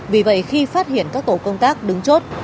vì vậy khi phát hiện các tổ công tác đứng chốt